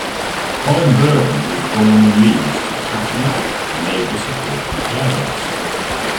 Colin Burgon was born in Leeds to Catholic, Labour-supporting parents.